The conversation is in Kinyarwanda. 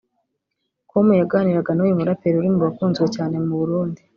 com yaganiraga n’uyu muraperi uri mu bakunzwe cyane mu Burundi